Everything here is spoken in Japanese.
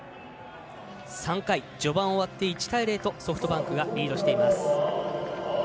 ３回序盤終わって１対０とソフトバンクがリードしています。